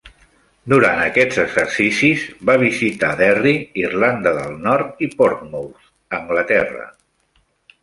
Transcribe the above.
Durant aquests exercicis va visitar Derry, Irlanda del Nord, i Portsmouth, Anglaterra.